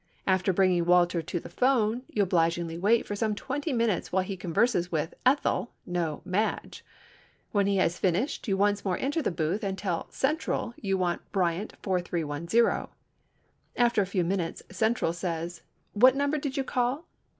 After bringing Walter to the phone, you obligingly wait for some twenty minutes while he converses with Ethel—no, Madge. When he has finished, you once more enter the booth and tell "Central" you want Bryant 4310. After a few minutes "Central" says, "What number did you call?"